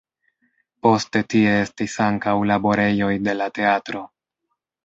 Poste tie estis ankaŭ laborejoj de la teatro.